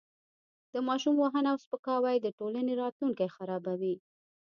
د ماشوم وهنه او سپکاوی د ټولنې راتلونکی خرابوي.